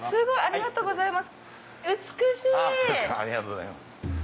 ありがとうございます。